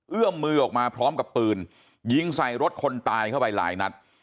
เอื้อมมือออกมาพร้อมกับปืนยิงใส่รถคนตายเข้าไปหลายนัด